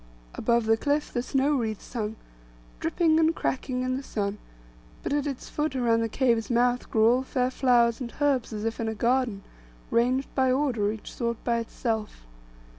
Above the cliff the snow wreaths hung, dripping and cracking in the sun; but at its foot around the cave's mouth grew all fair flowers and herbs, as if in a garden, ranged in order, each sort by itself.